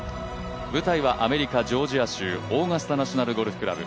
舞台はアメリカ・ジョージア州、オーガスタ・ナショナル・ゴルフクラブ。